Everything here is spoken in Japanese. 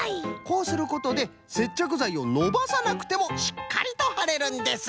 こうすることでせっちゃくざいをのばさなくてもしっかりとはれるんです。